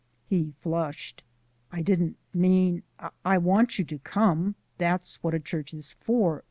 He flushed. "I didn't mean I WANT you to come. That's what a church is for.